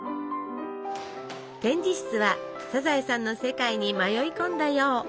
展示室は「サザエさん」の世界に迷い込んだよう！